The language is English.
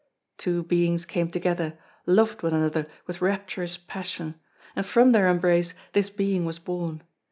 Two beings came together, loved one another with rapturous passion; and from their embrace, this being was born.